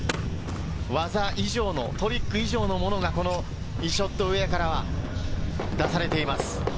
技以上のトリック以上のものがこのイショッド・ウェアからは出されています。